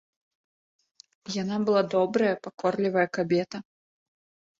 Яна была добрая, пакорлівая кабета.